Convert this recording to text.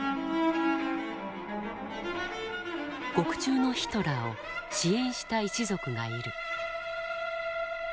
獄中のヒトラーを支援した一族がいる。